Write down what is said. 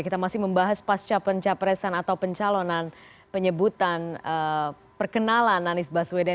kita masih membahas pasca pencapresan atau pencalonan penyebutan perkenalan anies baswedan